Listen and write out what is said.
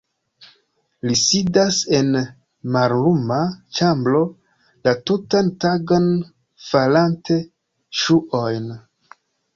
Li sidas en malluma ĉambro la tutan tagon farante ŝuojn.